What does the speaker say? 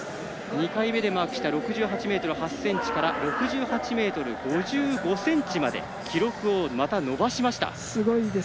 ２回目でマークした６８ｍ８ｃｍから６８ｍ５５ｃｍまで記録を伸ばしました。